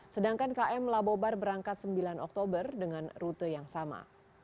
sedangkan km labobar berangkat sembilan oktober dengan rute yang sama